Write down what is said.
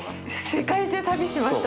世界中旅しましたね。